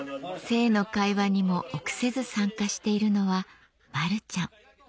性の会話にも臆せず参加しているのはマルちゃん